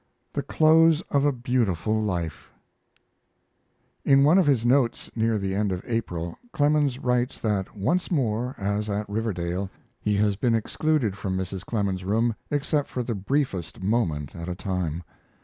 THE CLOSE OF A BEAUTIFUL LIFE In one of his notes near the end of April Clemens writes that once more, as at Riverdale, he has been excluded from Mrs. Clemens's room except for the briefest moment at a time.